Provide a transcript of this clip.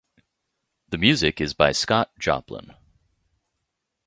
The music is by Scott Joplin.